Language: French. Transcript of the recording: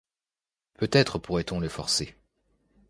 Peut-être pourrait-on les forcer.